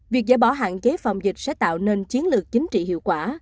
việc giải bỏ hạn chế phòng dịch sẽ tạo nên chiến lược chính trị hiệu quả